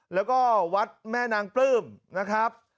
แล้วก็วัดแม่นางปลื้มนะครับ